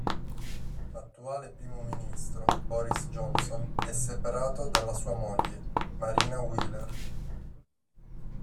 L'attuale primo ministro, Boris Johnson, è separato dalla sua moglie, Marina Wheeler.